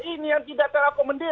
ini yang tidak terakomodir